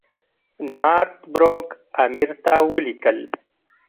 نارت بروک امیر ته ولیکل.